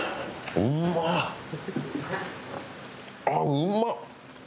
あっうまっ！